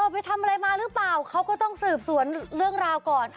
ไปทำอะไรมาหรือเปล่าเขาก็ต้องสืบสวนเรื่องราวก่อน